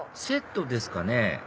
セットですかね？